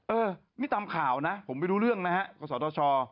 เออนี่ตามข่าวนะผมไปดูเรื่องนะฮะก็สอดต่อช่อ